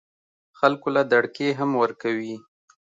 خلکو له دړکې هم ورکوي